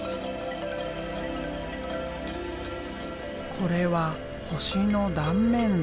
これは星の断面図。